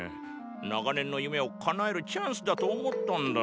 長年の夢を叶えるチャンスだと思ったンだ。